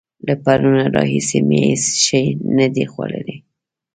له پرونه راهسې مې هېڅ شی نه دي خوړلي.